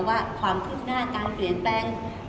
ว่าความคืบหน้าการเปลี่ยนแปลง